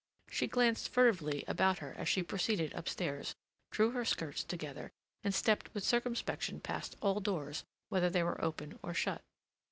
She glanced furtively about her as she proceeded upstairs, drew her skirts together, and stepped with circumspection past all doors, whether they were open or shut.